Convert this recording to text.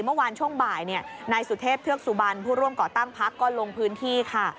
เมื่อวานช่วงบ่ายนายสุเทพเทือกสุบันผู้ร่วมก่อตั้งพักก็ลงพื้นที่ค่ะ